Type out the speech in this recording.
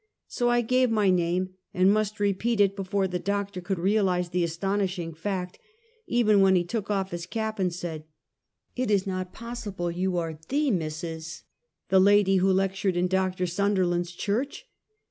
So I gave my name, and must repeat it before the Doctor could realize the astounding fact; even then he took off his cap and said: " It is not possible you are the Mrs. , the lady who lectured in Doctor Sunderland's church!"